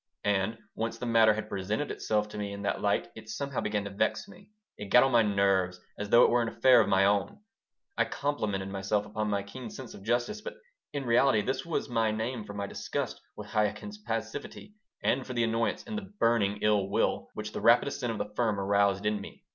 And once the matter had presented itself to me in that light it somehow began to vex me. It got on my nerves, as though it were an affair of my own. I complimented myself upon my keen sense of justice, but in reality this was my name for my disgust with Chaikin's passivity and for the annoyance and the burning ill will which the rapid ascent of the firm aroused in me.